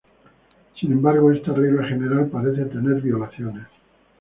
Sin embargo, esta regla general parece tener violaciones.